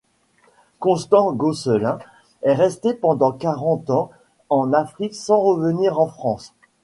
Constant Gosselin est resté pendant quarante ans en Afrique sans revenir en France.